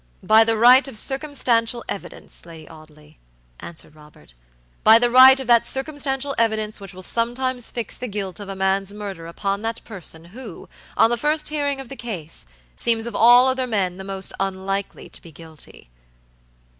"By the right of circumstantial evidence, Lady Audley," answered Robert"by the right of that circumstantial evidence which will sometimes fix the guilt of a man's murder upon that person who, on the first hearing of the case, seems of all other men the most unlikely to be guilty."